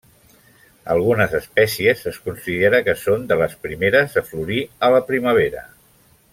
Algunes espècies es considera que són de les primeres a florir a la primavera.